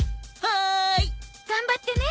はーい！頑張ってね